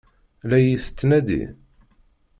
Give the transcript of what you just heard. La iyi-tettnadi?